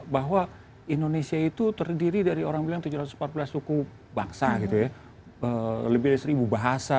bahwa indonesia itu terdiri dari orang bilang tujuh ratus empat belas suku bangsa gitu ya lebih dari seribu bahasa